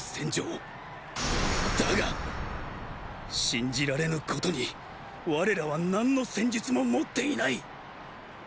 だがーー信じられぬことに我らは何の戦術も持っていない！